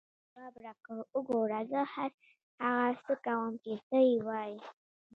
هغې ځواب راکړ: وګوره، زه هر هغه څه کوم چې ته یې وایې.